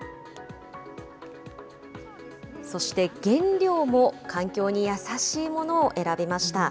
そして、原料も環境に優しいものを選びました。